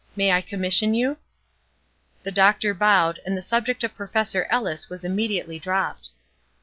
May I commission you?" The doctor bowed; and the subject of Professor Ellis was immediately dropped.